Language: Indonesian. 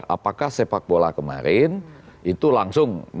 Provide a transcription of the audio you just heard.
apakah sepak bola kemarin itu langsung